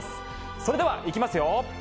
それではいきますよ。